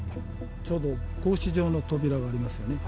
ちょうど格子状の扉がありますよね。